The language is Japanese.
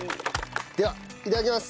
ではいただきます。